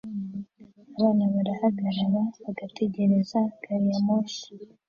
Abana bahagarara bagategereza gari ya moshi